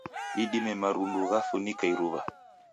Idime marundu ghafunika iruw'a